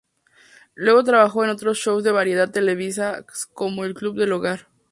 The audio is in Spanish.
Luego trabajó en otros shows de variedades televisivas como "El club del hogar".